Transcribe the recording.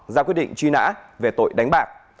ra quyết định truy nã về tội đánh bạc